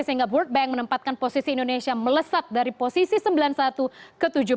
sehingga world bank menempatkan posisi indonesia melesat dari posisi sembilan puluh satu ke tujuh puluh satu